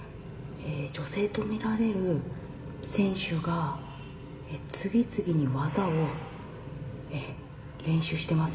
女性と見られる選手が、次々に技を練習してます。